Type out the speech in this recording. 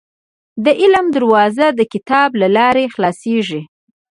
• د علم دروازه، د کتاب له لارې خلاصېږي.